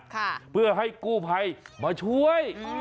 แถวนั้นเพื่อให้กู้ภัยมาช่วย